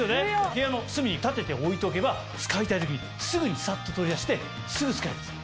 部屋の隅に立てて置いておけば使いたい時にすぐにサッと取り出してすぐ使えるんです。